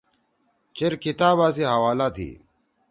چیر کتابا سی حوالہ تھی